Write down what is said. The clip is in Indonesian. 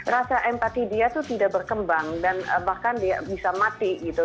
rasa empati dia itu tidak berkembang dan bahkan dia bisa mati gitu